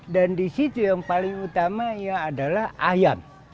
dan di situ yang paling utama adalah ayam